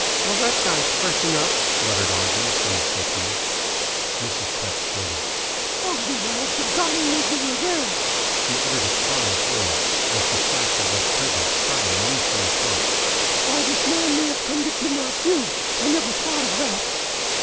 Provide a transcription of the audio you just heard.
"Well, that guy's fresh enough," muttered Ogden from the settee. Mrs. Pett started. "Ogden! I had forgotten that you were there." She uttered a cry of horror, as the fact of his presence started a new train of thought. "Why, this man may have come to kidnap you! I never thought of that."